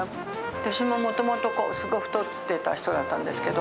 私ももともとすごく太ってた人だったんですけど。